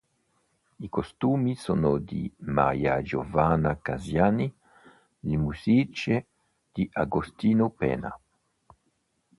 I costumi sono di Maria Giovanna Cassiani, le musiche di Agostino Penna.